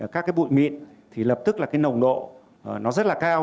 các cái bụi mịn thì lập tức là cái nồng độ nó rất là cao